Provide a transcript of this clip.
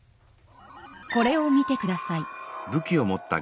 これを見てください。